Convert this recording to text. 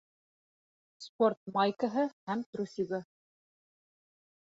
Спорт майкаһы һәм трусигы